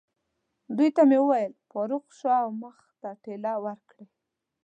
دوی ته مې وویل: فاروق، شا او مخ ته ټېله ورکړئ.